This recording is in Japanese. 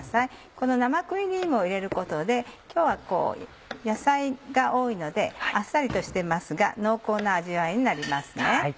この生クリームを入れることで今日は野菜が多いのであっさりとしてますが濃厚な味わいになります。